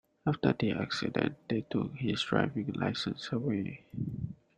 After the accident, they took his driving license away.